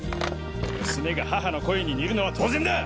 娘が母の声に似るのは当然だ。